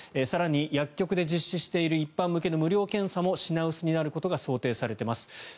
更に薬局で実施している一般向けの無料検査も品薄になることが想定されています。